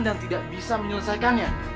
dan tidak bisa menyelesaikan